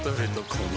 この